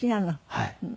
はい。